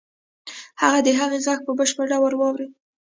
هغه د هغې غږ په بشپړ ډول واورېد.